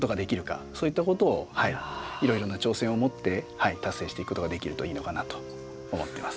そういったことをいろいろな挑戦をもって達成していくことができるといいのかなと思ってます。